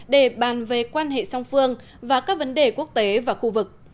để bàn về quan hệ song phương và các vấn đề quốc tế và khu vực